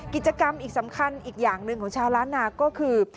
กิจกรรมอีกสำคัญอีกอย่างหนึ่งของชาวล้านนาก็คือ